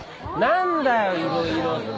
何だよいろいろって。